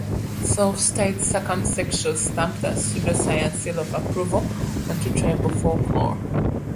Self-styled "circumsexuals" stamp the pseudoscience seal of approval onto tribal folklore.